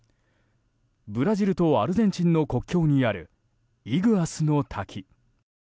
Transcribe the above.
ブラジルとアルゼンチンの国境にある、イグアスの滝。